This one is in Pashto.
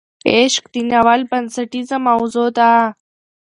عشق د ناول بنسټیزه موضوع ده.